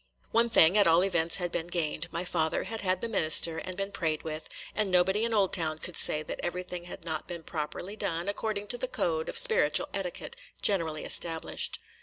One thing, at all events, had been gained, – my father had had the minister and been prayed with, and nobody in Oldtown could say that everything had not been properly done, according to the code of spiritual etiquette generally established.